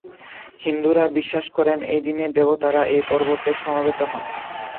হিন্দুরা বিশ্বাস করেন, এই দিন দেবতারা এই পর্বতে সমবেত হন।